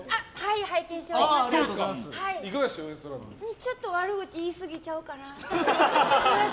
ちょっと悪口言いすぎちゃうかな。